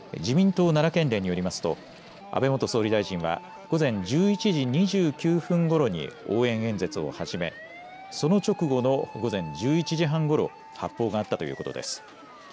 自民党奈良県連によりますと安倍元総理大臣は午前１１時２９分ごろに応援演説を始めその直後の午前１１時半ごろ発砲があったということです。